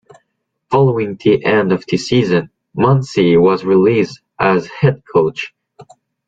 Following the end of the season, Munsey was released as head coach.